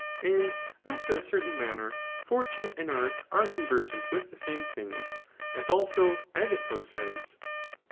And after a certain manner, fortune and art are conversant with the same things, as, also, Agatho says.